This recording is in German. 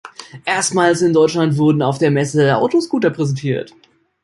Erstmals in Deutschland wurden auf der Messe Autoscooter präsentiert.